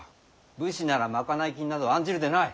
武士なら賄い金など案じるでない。